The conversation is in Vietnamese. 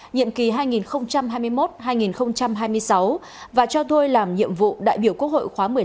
nhiệm kỳ hai nghìn hai mươi một hai nghìn hai mươi sáu và cho thôi làm nhiệm vụ đại biểu quốc hội khóa một mươi năm